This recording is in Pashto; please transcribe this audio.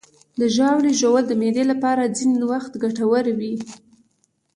د ژاولې ژوول د معدې لپاره ځینې وخت ګټور وي.